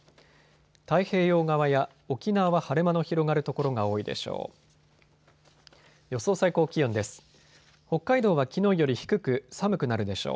太平洋側や沖縄は晴れ間の広がる所が多いでしょう。